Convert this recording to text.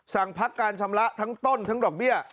สั่งพักการชำระทั้งต้นทั้งดอกเบี้ย